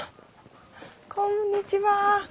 こんにちは。